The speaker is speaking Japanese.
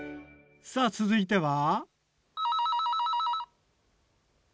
さあ続いては。